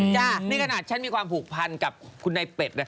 นี่ขนาดฉันมีความผูกพันกับคุณนายเป็ด